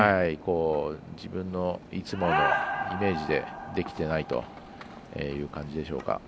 自分のいつものイメージでできていないという感じでしょうか。